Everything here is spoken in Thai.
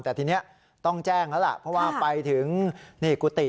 แต่ทีนี้ต้องแจ้งแล้วล่ะเพราะว่าไปถึงนี่กุฏิ